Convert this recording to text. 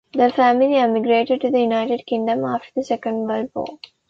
The family emigrated to the United Kingdom after the Second World War.